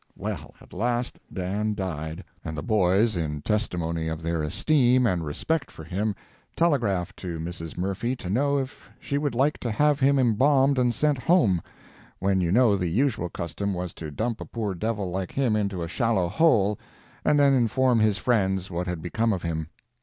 Well, at last Dan died; and the boys, in testimony of their esteem and respect for him, telegraphed to Mrs. Murphy to know if she would like to have him embalmed and sent home, when you know the usual custom was to dump a poor devil like him into a shallow hole, and then inform his friends what had become of him.